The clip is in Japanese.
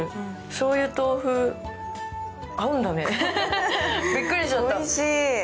そういう豆腐、合うんだねびっくりしちゃった。